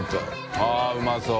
あっうまそう！